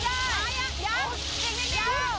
ยังยังจริง